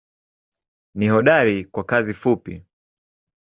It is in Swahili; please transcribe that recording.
Ni hodari kwa kazi fupi.